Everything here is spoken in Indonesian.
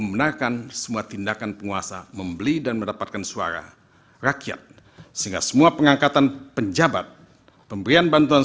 membenarkan semua tindakan penguasa membeli dan mendapatkan suara rakyat sehingga semua pengangkatan